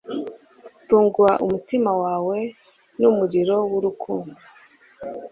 Tunga umutima wawe n'umuriro w'urukundo